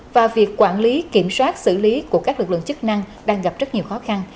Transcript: và việc quản lý kiểm soát xử lý của các lực lượng chức năng đang gặp rất nhiều khó khăn